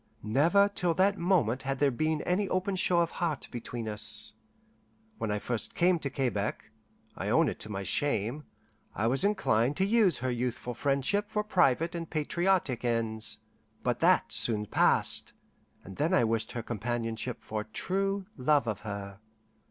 Never till that moment had there been any open show of heart between us. When I first came to Quebec (I own it to my shame) I was inclined to use her youthful friendship for private and patriotic ends; but that soon passed, and then I wished her companionship for true love of her.